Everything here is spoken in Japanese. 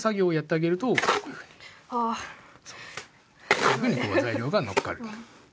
こういうふうに材料がのっかる。